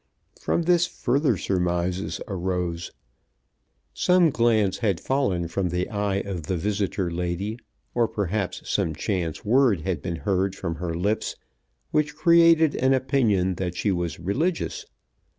From this further surmises arose. Some glance had fallen from the eye of the visitor lady, or perhaps some chance word had been heard from her lips, which created an opinion that she was religious.